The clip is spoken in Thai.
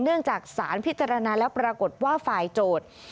เนื่องจากสารพิจารณาแล้วปรากฏว่าฝ่ายโจทย์